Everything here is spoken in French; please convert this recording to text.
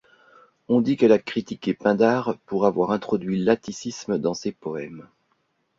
On dit qu'elle a critiqué Pindare pour avoir introduit l'atticisme dans ses poèmes.